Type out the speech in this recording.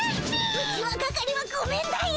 ウチワ係はごめんだよ。